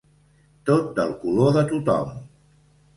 Tot del color de tot-hom.